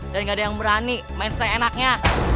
dan gak ada yang berani main sesuai enaknya